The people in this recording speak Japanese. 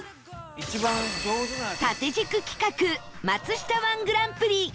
縦軸企画松下 −１ グランプリ